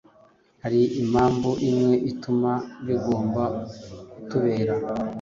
Hari impamvu imwe ituma bigomba kutubera